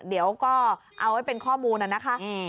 เดี๋ยวก็เอาไว้เป็นข้อมูลน่ะนะคะ